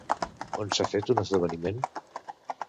On s'ha fet un esdeveniment?